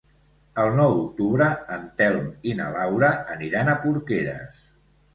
El nou d'octubre en Telm i na Laura aniran a Porqueres.